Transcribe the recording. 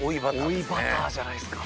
追いバターじゃないですか。